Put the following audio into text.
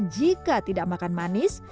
jika tidak makan manis